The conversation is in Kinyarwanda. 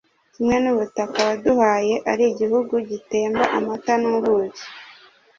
kimwe n’ubutaka waduhaye ari igihugu gitemba amata n’ubuki,